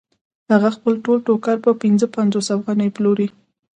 هغه خپل ټول ټوکر په پنځه پنځوس افغانیو پلوري